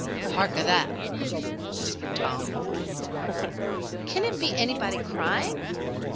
"Hark a that!" whispered Tom. "Can it be anybody crying?